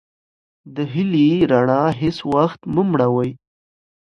د هیلې رڼا هیڅ وختمه مړوئ.